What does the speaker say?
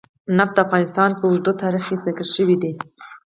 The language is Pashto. نفت د افغانستان په اوږده تاریخ کې ذکر شوی دی.